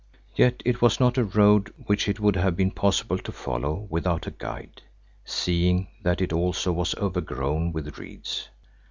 Yet it was not a road which it would have been possible to follow without a guide, seeing that it also was overgrown with reeds.